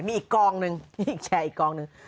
มีอีกกล้องนึงแชร์อีกกล้องนึง